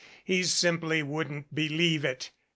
He simply wouldn't believe it.